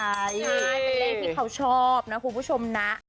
ใช่เป็นเลขที่เขาชอบนะคุณผู้ชมนะ